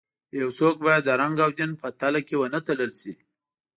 یو څوک باید د رنګ او دین په تلې کې ونه تلل شي.